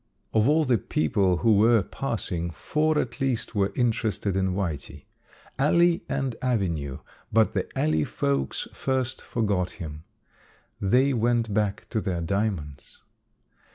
Of all the people who were passing four at least were interested in Whitey. Alley and avenue but the alley folks first forgot him. They went back to their diamonds.